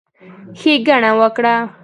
ښېګڼه وکړه،